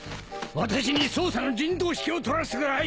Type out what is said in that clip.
私に捜査の陣頭指揮をとらせてください！